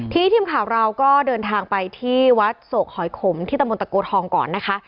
ทีนี้ทีมข่าวเราก็เดินทางไปที่วัดโศกหอยขมที่ตะมนตะโกทองก่อนนะคะ